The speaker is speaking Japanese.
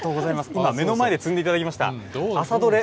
今、目の前で摘んでいただきました。